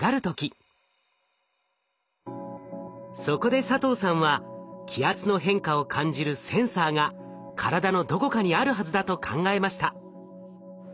そこで佐藤さんは気圧の変化を感じるセンサーが体のどこかにあるはずだと考えました。